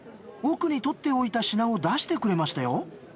奥に取っておいた品を出してくれましたよ。